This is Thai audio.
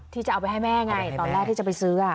ที่จะเอาไปให้แม่ไงตอนแรกที่จะไปซื้อ